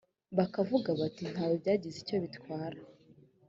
bakavuga bati nta we byagize icyo bitwara